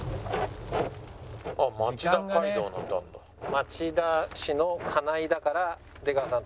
町田市の金井だから出川さん